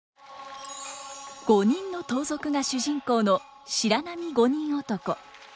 五人の盗賊が主人公の「白浪五人男」。